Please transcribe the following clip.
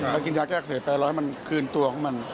ถ้ากินยากะเซรไปรอให้มันคืนตัวของมัน